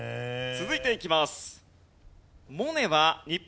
続いていきます。